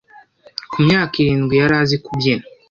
ku myaka irindwi yarazi kubyina.